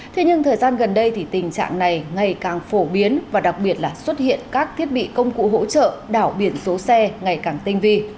thế nhưng thời gian gần đây thì tình trạng này ngày càng phổ biến và đặc biệt là xuất hiện các thiết bị công cụ hỗ trợ đảo biển số xe ngày càng tinh vi